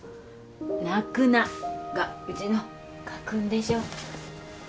「泣くな」がうちの家訓でしょ。